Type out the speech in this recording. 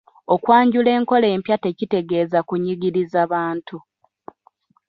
Okwanjula enkola empya tekitegeeza kunyigiriza Bantu.